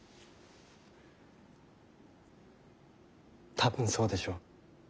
多分そうでしょう。